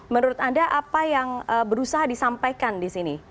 menurut anda apa yang berusaha disampaikan di sini